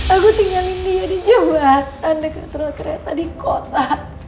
aku tinggalin dia di jembatan dekat rel kereta di kota